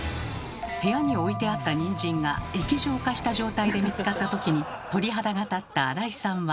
部屋に置いてあったニンジンが液状化した状態で見つかった時に鳥肌が立ったアライさんは。